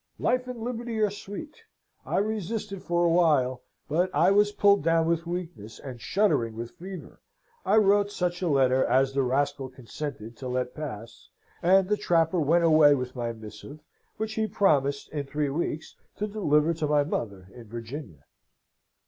Life and liberty are sweet. I resisted for a while, but I was pulled down with weakness, and shuddering with fever; I wrote such a letter as the rascal consented to let pass, and the trapper went away with my missive, which he promised, in three weeks, to deliver to my mother in Virginia.